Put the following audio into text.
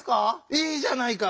いいじゃないか。